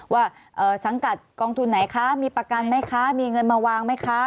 ว่าสังกัดกองทุนไหนคะมีประกันไหมคะมีเงินมาวางไหมคะ